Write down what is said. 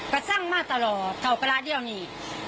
ก็สร้างมาตลอดเก่าปลาเดียวนี่